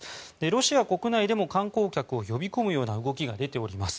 ロシア国内でも観光客を呼び込むような動きが出ております。